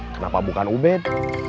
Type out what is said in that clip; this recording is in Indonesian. kenapa bukan ubed